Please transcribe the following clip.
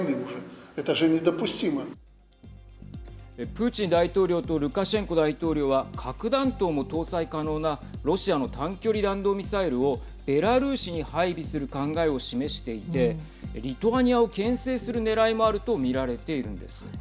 プーチン大統領とルカシェンコ大統領は核弾頭も搭載可能なロシアの短距離弾道ミサイルをベラルーシに配備する考えを示していてリトアニアをけん制するねらいもあると見られているんです。